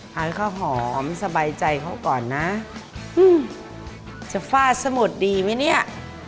เอาให้เข้าหอมสบายใจเข้าก่อนนะจะฟาดสะหมดดีไหมเนี่ย